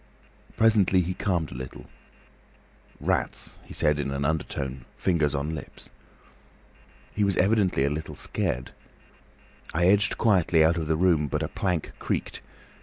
"Presently he calmed a little. 'Rats,' he said in an undertone, fingers on lips. He was evidently a little scared. I edged quietly out of the room, but a plank creaked.